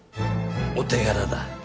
お手柄だ。